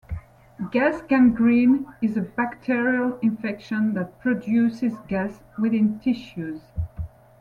Gas gangrene is a bacterial infection that produces gas within tissues.